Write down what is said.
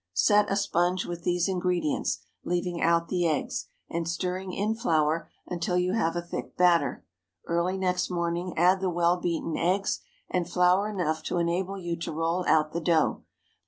Set a sponge with these ingredients, leaving out the eggs, and stirring in flour until you have a thick batter. Early next morning add the well beaten eggs, and flour enough to enable you to roll out the dough.